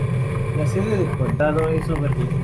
La sede de condado es Oberlin.